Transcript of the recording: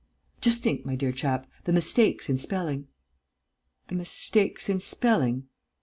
"Just think, my dear chap, the mistakes in spelling...." "The mistakes in spelling?"